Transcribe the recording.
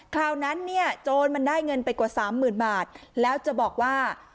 คราวนั้นเนี่ยโจรมันได้เงินไปกว่าสามหมื่นบาทแล้วจะบอกว่า